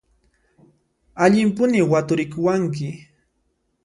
Allimpuni waturikuwanki!